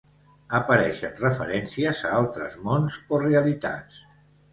Apareixen referències a altres mons o realitats.